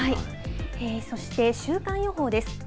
そして週間予報です。